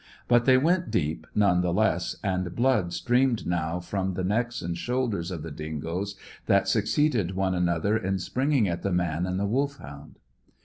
But they went deep, none the less; and blood streamed now from the necks and shoulders of the dingoes that succeeded one another in springing at the man and the Wolfhound.